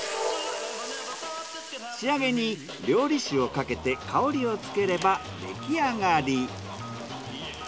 仕上げに料理酒をかけて香りをつければできあがり。